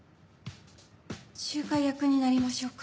仲介役になりましょうか？